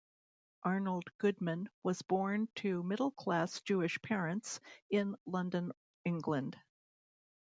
Arnold Goodman was born to middle class Jewish parents in London, England.